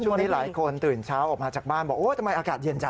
ช่วงนี้หลายคนตื่นเช้าออกมาจากบ้านบอกโอ้ทำไมอากาศเย็นจัง